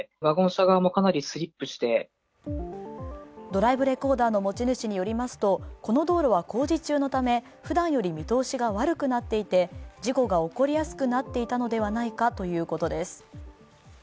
ドライブレコーダーの持ち主によりますと、この道路は工事中のため、ふだんより見通しが悪くなっていて事故が起こりやすくなっていたのではないかということです。